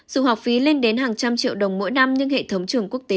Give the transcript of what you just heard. dù học phí lên đến hàng trăm triệu đồng mỗi năm nhưng hệ thống trường quốc tế